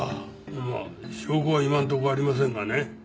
まあ証拠は今のとこありませんがね